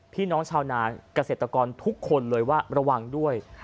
พี่น้องชาวนาเกษตรกรทุกคนเลยว่าระวังด้วย